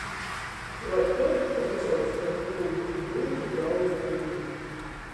Lai tod, kod izaugs par gūvi, dūtu daudzi pīna.